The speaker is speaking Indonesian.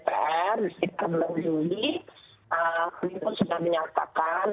penyimpun sudah menyatakan